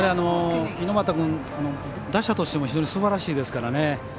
猪俣君、打者としても非常にすばらしいですからね。